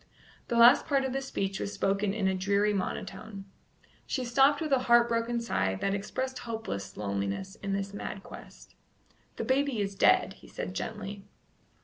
The last part of the speech was spoken in a dreary monotone. She stopped with a heart broken sigh that expressed hopeless loneliness in this mad quest. "The baby is dead," he said gently.